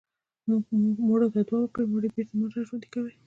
مړو ته دعا وکړئ مړي بېرته مه راژوندي کوئ.